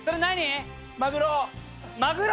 マグロ！？